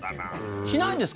しないんですか？